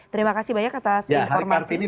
terima kasih banyak atas informasinya